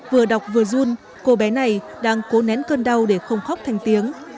vừa đọc vừa run cô bé này đang cố nén cơn đau để không khóc thành tiếng